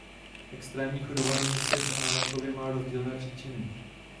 Extrémní chudoba ve městech a na venkově má rozdílné příčiny.